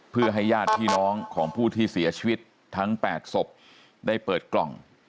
เพื่อให้ญาติพี่น้องของผู้ที่เสียชีวิตทั้ง๘ศพได้เปิดกล่อง